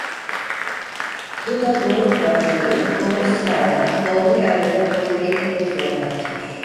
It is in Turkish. Bu da doğru parçaları doğru sırayla doğru yerlere koymayı epey zorlaştırır.